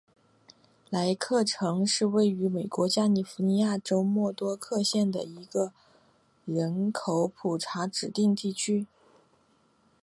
莱克城是位于美国加利福尼亚州莫多克县的一个人口普查指定地区。